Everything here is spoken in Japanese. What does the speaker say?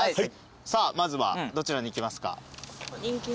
さあまずはどちらに行きますか？